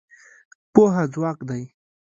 پوهه ځواک دی.